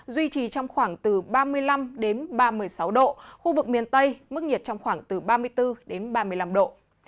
duy trì trong khoảng từ ba mươi năm đến ba mươi sáu độ khu vực miền tây mức nhiệt trong khoảng từ ba mươi bốn đến ba mươi năm độ